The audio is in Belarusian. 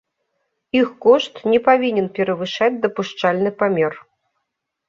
Іх кошт не павінен перавышаць дапушчальны памер.